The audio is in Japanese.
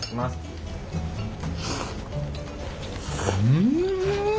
うん！